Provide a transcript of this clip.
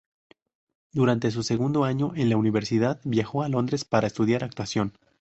Durante su segundo año en la universidad viajó a Londres para estudiar actuación.